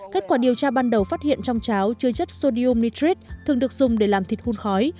kết quả điều tra ban đầu phát hiện trong cháo chứa chất sodium nitrate thường được dùng để làm thịt hôn khói